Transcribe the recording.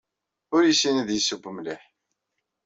Ur yessin ad yesseww mliḥ.